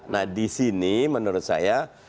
nah disini menurut saya